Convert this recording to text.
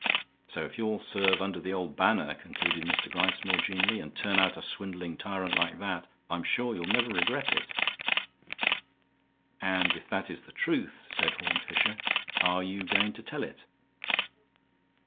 "So if you'll serve under the old banner," concluded Mr. Gryce, more genially, "and turn out a swindling tyrant like that, I'm sure you'll never regret it." "And if that is the truth," said Horne Fisher, "are you going to tell it?"